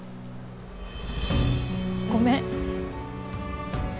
ごめん。